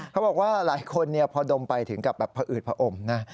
เขาบอกว่าหลายคนพอดมไปถึงกับแบบผอืดผอมนะ